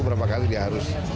berapa kali dia harus